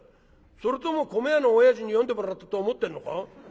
それとも米屋のおやじに読んでもらったと思ってんのか？」。